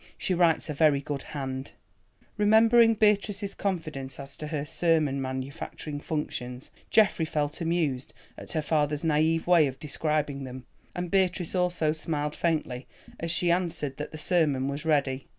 She writes a very good hand——" Remembering Beatrice's confidence as to her sermon manufacturing functions, Geoffrey felt amused at her father's naïve way of describing them, and Beatrice also smiled faintly as she answered that the sermon was ready.